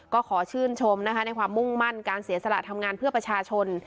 ก็ขอชื่นชมนะคะในความมุ่งมั่นการเสียสละทำงานเพื่อประชาชน